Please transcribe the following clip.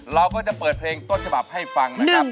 เราก็จะเปิดเพลงต้นฉบับให้ฟังนะครับ